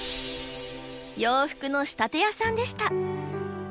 洋服の仕立て屋さんでした。